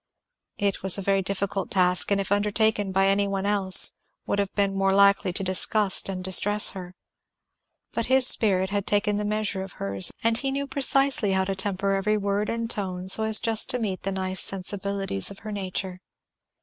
It was a very difficult task, and if undertaken by any one else would have been more likely to disgust and distress her. But his spirit had taken the measure of hers, and he knew precisely how to temper every word and tone so as just to meet the nice sensibilities of her nature.